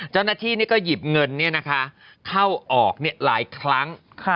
เจ้าหน้าที่เนี้ยก็หยิบเงินเนี้ยนะคะเข้าออกเนี้ยหลายครั้งค่ะ